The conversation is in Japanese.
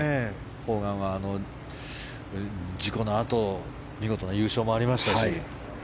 ホーガンは事故のあと見事な優勝もありましたし。